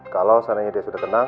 kalau seandainya dia sudah kenal